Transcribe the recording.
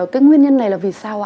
cái nguyên nhân này là vì sao ạ